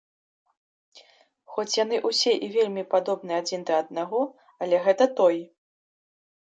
Хоць яны ўсе і вельмі падобны адзін да аднаго, але гэта той!